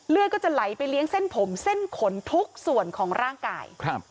ก็จะไหลไปเลี้ยงเส้นผมเส้นขนทุกส่วนของร่างกาย